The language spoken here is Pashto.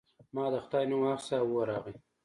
ما د خدای نوم واخیست او اور راغی.